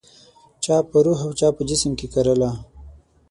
چا په روح او چا په جسم کې کرله